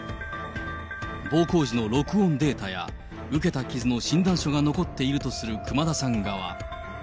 暴行時の録音データや、受けた傷の診断書が残っているとする熊田さん側。